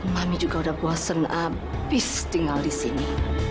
mami juga sudah bosan habis tinggal di sini